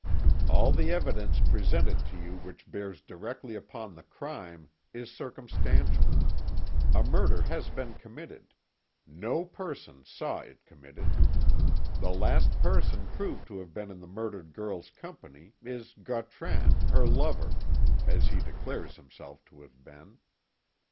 "All the evidence presented to you which bears directly upon the crime is circumstantial. A murder has been committed no person saw it committed. The last person proved to have been in the murdered girl's company, is Gautran, her lover, as he declares himself to have been.